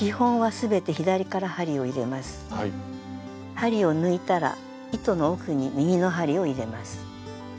針を抜いたら糸の奥に右の針を入れます。